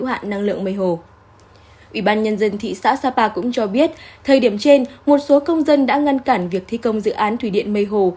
ủy ban nhân dân thị xã sapa cũng cho biết thời điểm trên một số công dân đã ngăn cản việc thi công dự án thủy điện mây hồ